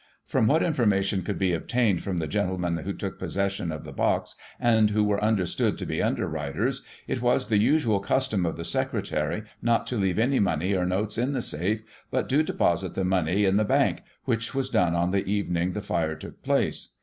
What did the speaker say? From what informa tion could be obtained from the gentlemen who took posses sion of the box, and who were understood to be underwriters, it was the usual custom of the secretary not to leave any money or notes in the safe, but to deposit the money in the Bank, which was done on the evening the fire took' place.